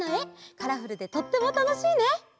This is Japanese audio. カラフルでとってもたのしいね！